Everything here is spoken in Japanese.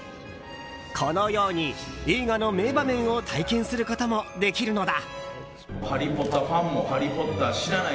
このように映画の名場面を体験することもできるのだ。